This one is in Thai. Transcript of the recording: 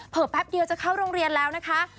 แป๊บเดียวจะเข้าโรงเรียนแล้วนะคะ